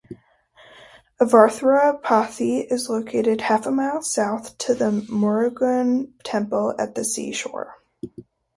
Avathara Pathi is located half-a-mile south to the Murugan Temple, at the sea-shore.